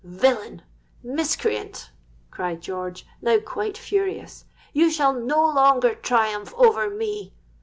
'—'Villain! miscreant!' cried George, now quite furious; 'you shall no longer triumph over me!'